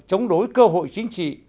chống đối cơ hội chính trị